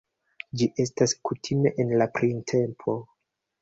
Ĝi estas kutime en la printempo.